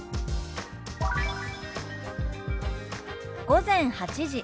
「午前８時」。